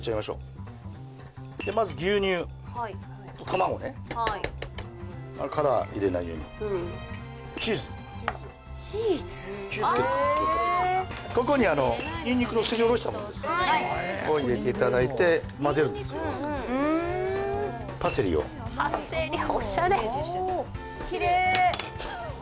まず牛乳と卵ね殻入れないようにチーズ・チーズチーズ結構かけてここにニンニクのすりおろしたものですを入れていただいてまぜるんですよへえパセリをパセリオシャレキレイ